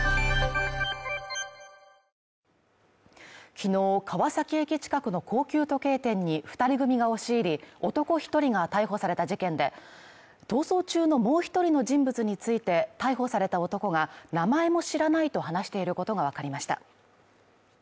昨日川崎駅近くの高級時計店に２人組が押し入り、男１人が逮捕された事件で、逃走中のもう１人の人物について、逮捕された男が、名前も知らないと話していることがわかりました。